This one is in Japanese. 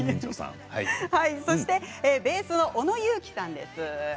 そしてベースは小野裕基さんです。